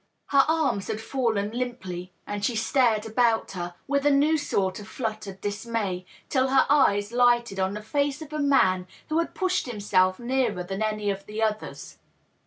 Her arms had fallen limply, and she stared about her, with a new sort of fluttered dismay, till her eyes lighted on the face of a man who had pushed himself nearer than any of the others.